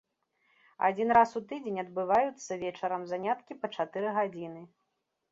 Адзін раз у тыдзень адбываюцца вечарам заняткі па чатыры гадзіны.